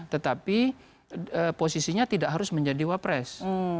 tetapi posisinya tidak harus menjadi wapres